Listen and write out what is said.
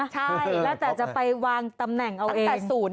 ใช่แล้วแต่จะไปวางตำแหน่งเอาเอง